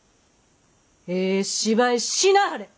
ええ芝居しなはれ！